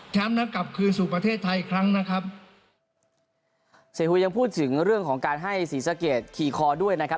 แล้วกลับคืนสู่ประเทศไทยอีกครั้งนะครับเสียหุยยังพูดถึงเรื่องของการให้ศรีสะเกดขี่คอด้วยนะครับ